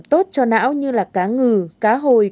tốt cho não như là cá ngừ cá hồi